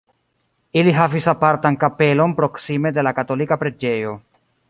Ili havis apartan kapelon proksime de la katolika preĝejo.